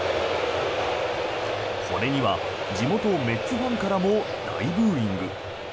これには地元メッツファンからも大ブーイング。